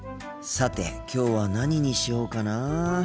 さてきょうは何にしようかなあ。